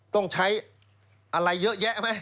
ต้องใช้อะไรเยอะแยะไหม